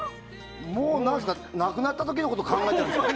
もう、亡くなった時のこと考えてるんですか？